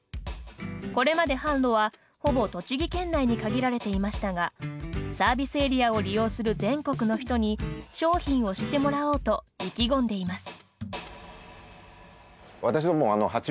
これまで販路は、ほぼ栃木県内に限られていましたがサービスエリアを利用する全国の人に商品を知ってもらおうと意気込んでいます。